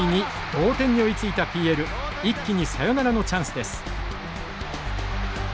同点に追いついたＰＬ一気にサヨナラのチャンスです。